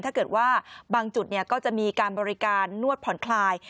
ถ้าเกิดว่าบางจุดก็จะมีการบริการนวดผ่อนคลาย